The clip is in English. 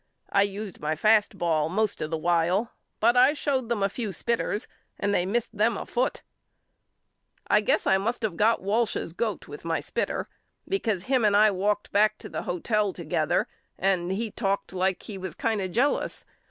I used my fast ball most of the while but showed them a few spitters and they missed them a foot. I guess I must of got Walsh's goat with my spit ter because him and I walked back to the hotel together and he talked like he was kind of jealous.